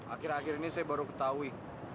akhir akhir ini saya baru ketahui